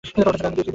ওটার জন্য দুঃখিত।